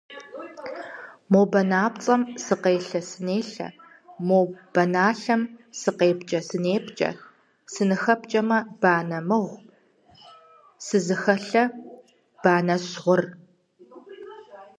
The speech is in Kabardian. Мо банапцӀэм сыкъелъэ-сынелъэ, мо баналъэм сыкъепкӀэ-сынепкӀэ, сызыхэпкӀэ банэ мыгъу, сызыхэлъэ банэщ гъур.